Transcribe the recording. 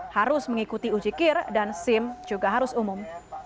harus mengikuti uji kir dan sim juga harus umum